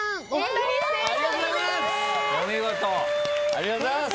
ありがとうございます。